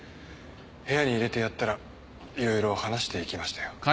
部屋に入れてやったらいろいろ話していきましたよ。